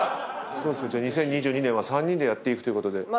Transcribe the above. ２０２２年は３人でやっていくということで。